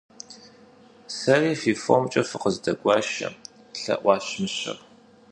- Сэри фи фомкӀэ фыкъыздэгуашэ! – лъэӀуащ мыщэр.